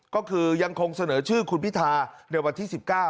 ก็คือยังคงเสนอชื่อคุณพิธาในวันที่๑๙